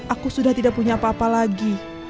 aku sudah tidak punya apa apa lagi